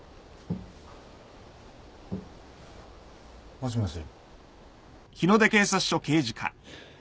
もしもし。